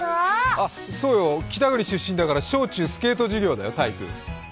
あ、そうよ、北国出身だから小中、スケート授業だよ、体育。